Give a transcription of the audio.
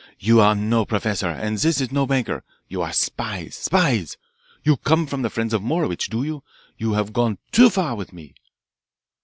You are no professor, and this is no banker. You are spies, spies. You come from the friends of Morowitch, do you? You have gone too far with me."